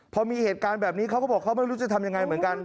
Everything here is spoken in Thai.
พอมีเหตุการณ์แบบนี้เขาก็บอกเขาไม่รู้จะทำยังไงเหมือนกัน